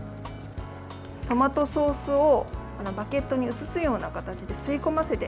トマトソースをバゲットに移すような形で吸い込ませて。